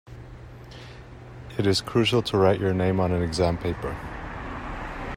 It is crucial to write your name on an exam paper!.